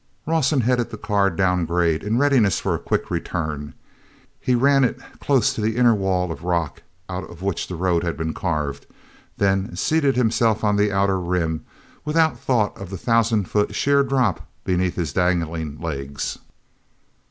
Rawson headed the car downgrade in readiness for a quick return; he ran it close to the inner wall of rock out of which the road had been carved, then seated himself on the outer rim without thought of the thousand foot sheer drop beneath his dangling legs.